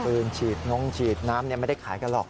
ปืนฉีดนงฉีดน้ำไม่ได้ขายกันหรอก